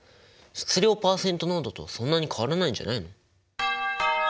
質量パーセント濃度とそんなに変わらないんじゃないの？